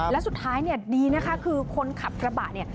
และสุดท้ายดีนะคะคือคนขับกระบะเนี่ย